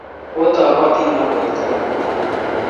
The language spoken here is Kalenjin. Otogotin okweg tukul mutai